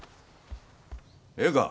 ええか。